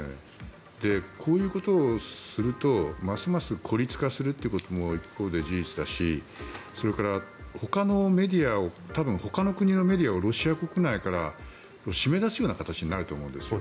こういうことをするとますます孤立化するっていうことも一方で事実だしそれからほかの国のメディアをロシア国内から締め出すような形になると思うんです。